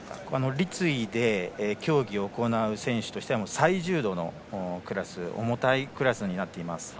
立位で競技を行う選手としては最重度のクラス重たいクラスになっています。